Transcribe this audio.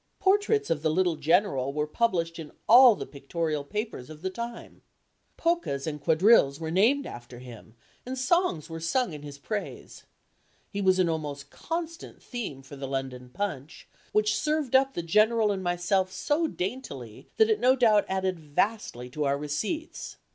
Portraits of the little General were published in all the pictorial papers of the time. Polkas and quadrilles were named after him, and songs were sung in his praise. He was an almost constant theme for the London Punch, which served up the General and myself so daintily that it no doubt added vastly to our receipts.